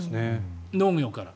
農業から。